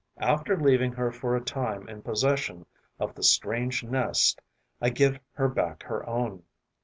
After leaving her for a time in possession of the strange nest, I give her back her own.